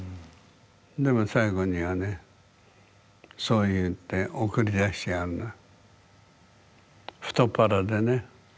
でも最後にはねそう言って送り出してやるのよ。